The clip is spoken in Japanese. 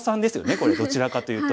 これどちらかというと。